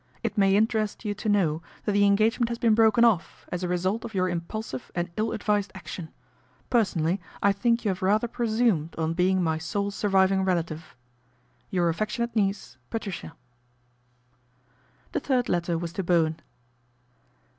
It may interest you to know that the engagement has been broken off as a result of your impulsive and ill advised action. Per sonally I think you have rather presumed on being my ' sole surviving relative.' "Your affectionate niece, " PATRICIA." The third letter was to Bowen.